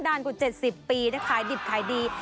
นานกว่า๗๐ปีนะขายดิบขายดี